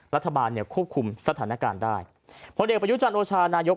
รัฐบาลเนี่ยควบคุมสถานการณ์ได้ผลเอกประยุจันทร์โอชานายก